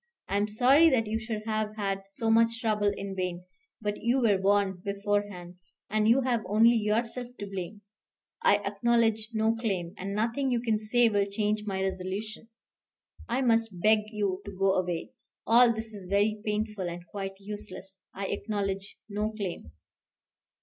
I am sorry that you should have had so much trouble in vain, but you were warned beforehand, and you have only yourself to blame. I acknowledge no claim, and nothing you can say will change my resolution. I must beg you to go away. All this is very painful and quite useless. I acknowledge no claim."